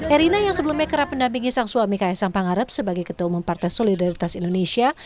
erina yang sebelumnya kerap mendampingi sang suami ks sang pangarep sebagai ketua umum partai solidaritas indonesia